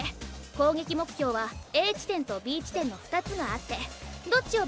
攻撃目標はＡ地点とＢ地点の２つがあってどっちを爆破してもオッケー。